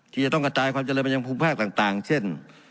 ที่จะต้องกระจายความเจริญไปยังภูมิภาคต่างเช่น